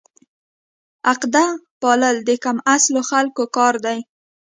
عقده پالل د کم اصلو خلکو کار دی.